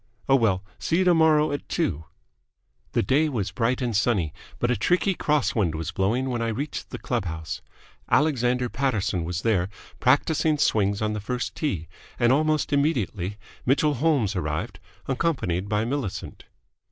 Oh, well! See you tomorrow at two." The day was bright and sunny, but a tricky cross wind was blowing when I reached the club house. Alexander Paterson was there, practising swings on the first tee; and almost immediately Mitchell Holmes arrived, accompanied by Millicent.